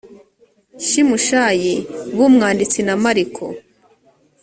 shimushayi b umwanditsi na mariko